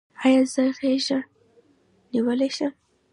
ایا زه غیږه نیولی شم؟